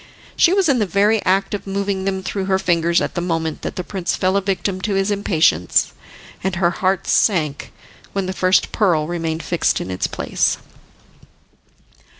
She was in the very act of moving them through her fingers at the moment that the prince fell a victim to his impatience, and her heart sank when the first pearl remained fixed in its place.